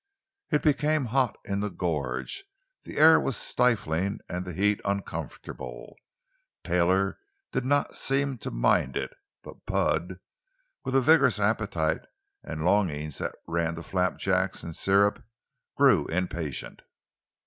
It became hot in the gorge; the air was stifling and the heat uncomfortable. Taylor did not seem to mind it, but Bud, with a vigorous appetite, and longings that ran to flapjacks and sirup, grew impatient.